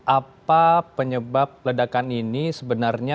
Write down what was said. apa penyebab ledakan ini sebenarnya